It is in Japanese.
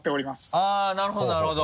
あっなるほどなるほど。